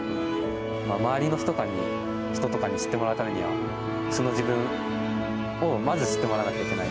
周りの人とかに知ってもらうためには、素の自分をまず知ってもらわなきゃいけない。